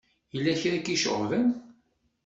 Yella kra i k-iceɣben?